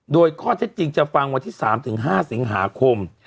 โดยข้อเท็จจริงจะฟังวันที่๓๕สิงหาคม